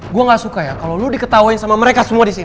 gue ga suka ya kalo lu diketawain sama mereka di situ